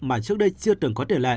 mà trước đây chưa từng có tiền lệ